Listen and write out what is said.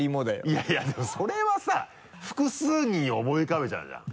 いやいやでもそれはさ複数人を思い浮かべちゃうじゃん。